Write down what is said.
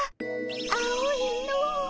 青いの。